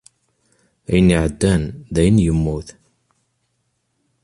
Ayen iɛeddan d ayen yemmut.